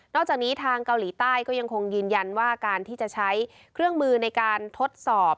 จากนี้ทางเกาหลีใต้ก็ยังคงยืนยันว่าการที่จะใช้เครื่องมือในการทดสอบ